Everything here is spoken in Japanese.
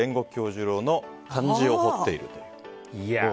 杏寿郎の漢字を彫っているという。